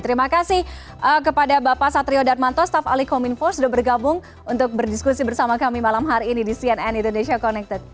terima kasih kepada bapak satrio darmanto staff ali kominfo sudah bergabung untuk berdiskusi bersama kami malam hari ini di cnn indonesia connected